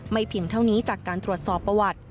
เพียงเท่านี้จากการตรวจสอบประวัติ